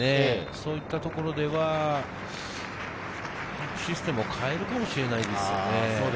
そう言ったところでは、システムを変えるかもしれないですね。